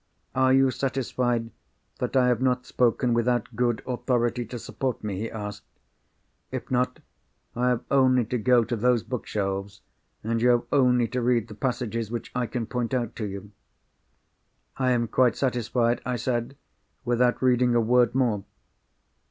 "Are you satisfied that I have not spoken without good authority to support me?" he asked. "If not, I have only to go to those bookshelves, and you have only to read the passages which I can point out to you." "I am quite satisfied," I said, "without reading a word more."